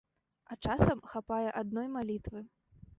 А часам хапае адной малітвы.